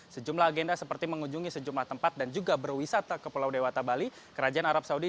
sejumlah agenda seperti mengunjungi sejumlah tempat dan juga berwisata ke pulau dewata bali kerajaan arab saudi